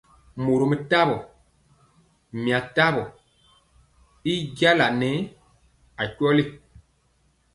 Mɔrom tawo, mia tamɔ y jaŋa nɛɛ akweli.